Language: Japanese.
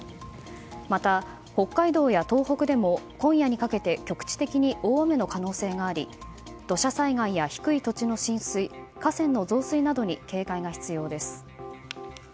また、北海道や東北でも今夜にかけて局地的に大雨の可能性があり土砂災害や低い土地の浸水河川の増水などに警戒が必要です。